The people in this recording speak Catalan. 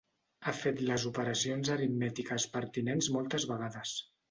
Ha fet les operacions aritmètiques pertinents moltes vegades.